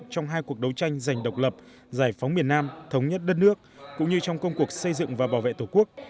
trong hai cuộc đấu tranh giành độc lập giải phóng miền nam thống nhất đất nước cũng như trong công cuộc xây dựng và bảo vệ tổ quốc